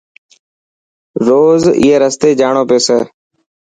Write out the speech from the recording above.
روز اي رستي ڄاڻو پيسي.